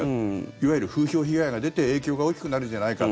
いわゆる風評被害が出て影響が大きくなるんじゃないか。